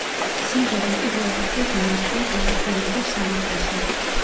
სიმღერამ პირველ ადგილს მიაღწია გაერთიანებულ სამეფოში.